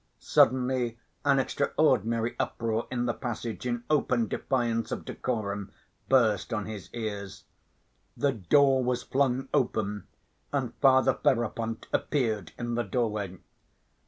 Suddenly an extraordinary uproar in the passage in open defiance of decorum burst on his ears. The door was flung open and Father Ferapont appeared in the doorway.